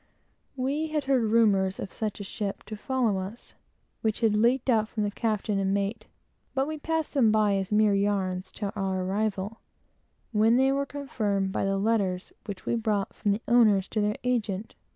We had heard rumors of such a ship to follow us, which had leaked out from the captain and mate, but we passed them by as mere "yarns," till our arrival, when they were confirmed by the letters which we brought from the owners to their agent.